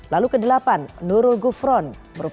lalu kedelapan nurul gufron